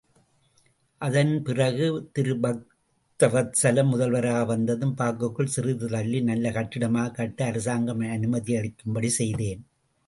அதன் பிறகு திருபக்தவத்சலம் முதல்வராக வந்ததும் பார்க்குக்குள் சிறிது தள்ளி நல்ல கட்டிடமாகக் கட்ட அரசாங்கம் அனுமதியளிக்கும்படி செய்தேன்.